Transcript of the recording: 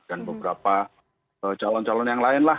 dan beberapa calon calon yang lain lah